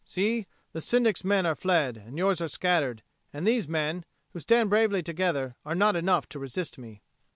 See, the Syndic's men are fled, and yours are scattered, and these men, who stand bravely together, are not enough to resist me."